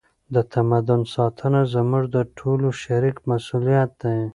د تمدن ساتنه زموږ د ټولو شریک مسؤلیت دی.